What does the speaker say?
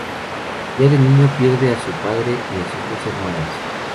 Ya de niño pierde a su padre y a sus dos hermanas.